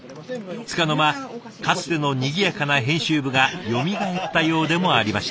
つかの間かつてのにぎやかな編集部がよみがえったようでもありました。